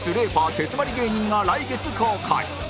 手詰まり芸人が来月公開